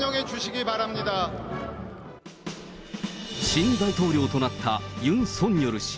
新大統領となったユン・ソンニョル氏。